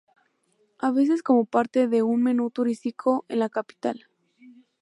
A veces como parte de un menú turístico en la capital.